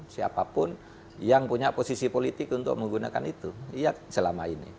siapapun yang punya posisi politik untuk menggunakan itu iya selama ini